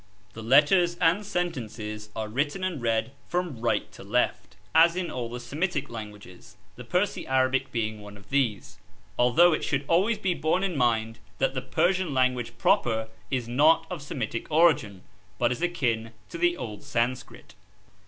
The letters and sentences are written and read from right to left, as in all the Semitic languages the Persi Arabic being one of these although it should always bo borne in mind that the Persian language proper is not of Semitic origin, but is akin to the old Sanskrit.